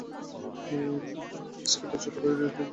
স্কটের ছোট ভাই sir Ridley Scott একজন চলচ্চিত্র পরিচালক ও প্রযোজক।